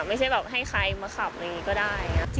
ไม่ใช่แบบให้ใครมาขับอะไรอย่างนี้ก็ได้